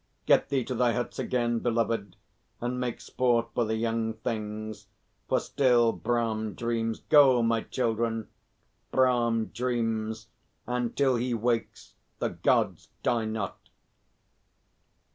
Get thee to thy huts again, beloved, and make sport for the young things, for still Brahm dreams. Go, my children! Brahm dreams and till he wakes the Gods die not."